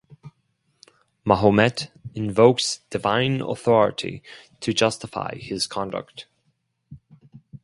Mahomet invokes divine authority to justify his conduct.